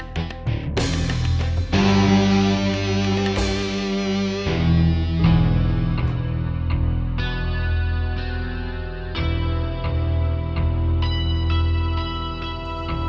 baunya sesesok telepon anak nya aja sih